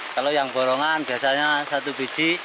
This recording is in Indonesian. kalau yang golongan biasanya satu biji